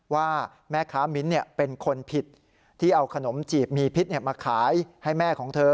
ว่าแม่ค้ามิ้นเป็นคนผิดที่เอาขนมจีบมีพิษมาขายให้แม่ของเธอ